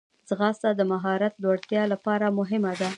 ځغاسته د مهارت لوړتیا لپاره مهمه ده